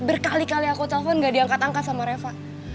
berkali kali aku telpon gak diangkat angkat sama reva